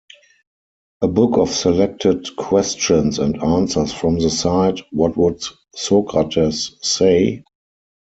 A book of selected questions and answers from the site, What Would Socrates Say?